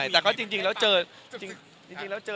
แต่จริงแล้วเจอ